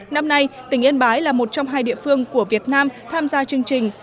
năm nay tỉnh yên bái là một trong hai địa phương của việt nam tham gia chương trình